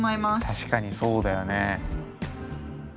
確かにそうだよね。